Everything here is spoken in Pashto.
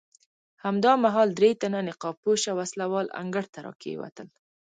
همدا مهال درې تنه نقاب پوشه وسله وال انګړ ته راکېوتل.